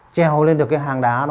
treo lên hang đá